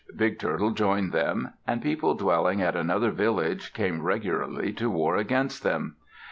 Big Turtle joined them. And people dwelling at another village came regularly to war against them.